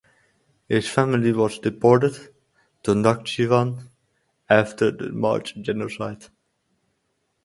His family was deported to Nakhchivan after the March genocide.